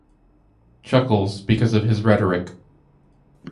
Chuckles' because of his rhetoric.